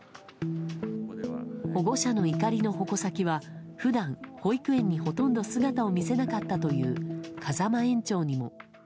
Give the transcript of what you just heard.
保護者の怒りの矛先は普段、保育園にほとんど姿を見せなかったという風間園長にも。